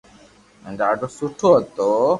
ھين ڌاڌو سٺو ھتو